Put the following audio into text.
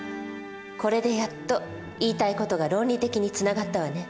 これでやっと言いたい事が論理的につながったわね。